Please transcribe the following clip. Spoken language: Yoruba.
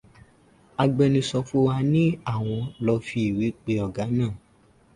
Agbẹnusọ fún wa ní àwọn ló fi ìwé pe ọ̀gá náà.